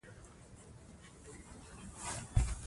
لیکدود د تورو کیندل یا کښل دي.